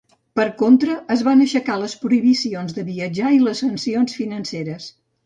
Per contra, es van aixecar les prohibicions de viatjar i les sancions financeres.